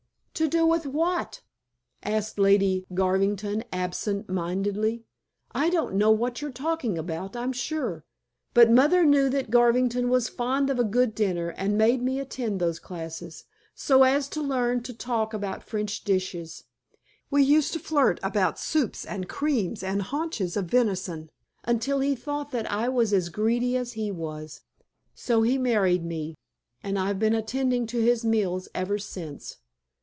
"To do with what?" asked Lady Garvington absentmindedly. "I don't know what you're talking about, I'm sure. But mother knew that Garvington was fond of a good dinner, and made me attend those classes, so as to learn to talk about French dishes. We used to flirt about soups and creams and haunches of venison, until he thought that I was as greedy as he was. So he married me, and I've been attending to his meals ever since.